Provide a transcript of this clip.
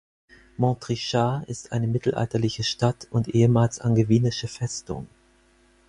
Montrichard ist eine mittelalterliche Stadt und ehemals angevinische Festung.